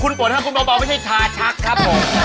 คุณโปรดภาพคุณเบาไม่ใช่ชาชักครับผม